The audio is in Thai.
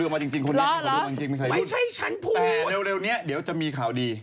แถมันมันขยันท้องกันจังเลยหวะ